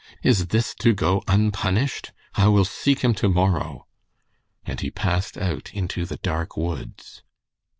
Is this to go unpunished? I will seek him to morrow." And he passed out into the dark woods.